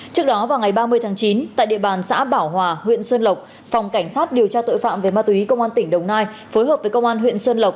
trước đó vào ngày ba mươi tháng chín tại địa bàn xã bảo hòa huyện xuân lộc phòng cảnh sát điều tra tội phạm về ma túy công an tỉnh đồng nai phối hợp với công an huyện xuân lộc